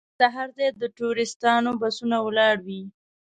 دلته هر ځای د ټوریستانو بسونه ولاړ وي.